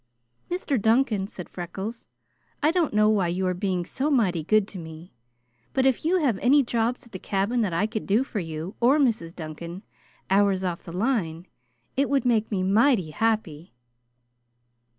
"Mr. Duncan," said Freckles, "I don't know why you are being so mighty good to me; but if you have any jobs at the cabin that I could do for you or Mrs. Duncan, hours off the line, it would make me mighty happy."